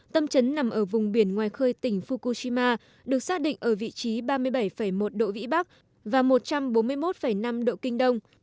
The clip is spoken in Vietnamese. tâm trấn nằm ở vùng biển ngoài khơi tỉnh fukushima được xác định ở vị trí ba mươi bảy một độ vĩ bắc và một trăm bốn mươi một năm độ kinh đông